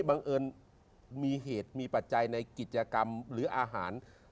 บังเอิญมีเหตุมีปัจจัยในกิจกรรมหรืออาหาร